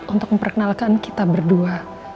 untuk memperkenalkan kita berdua